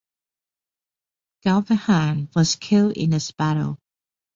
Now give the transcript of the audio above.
Govardhan was killed in this battle.